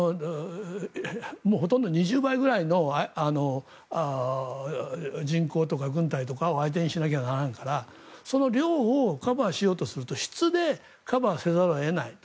もうほとんど２０倍くらいの人口とか軍隊とかを相手にしなきゃならんからその量をカバーしようとすると質でカバーせざるを得ないと。